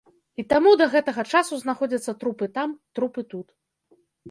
І таму да гэтага часу знаходзяцца трупы там, трупы тут.